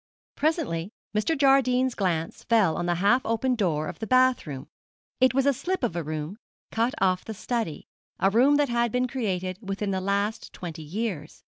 Presently Mr. Jardine's glance fell on the half open door of the bath room. It was a slip of a room cut off the study, a room that had been created within the last twenty years.